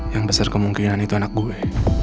yang besar kemungkinan itu anak gue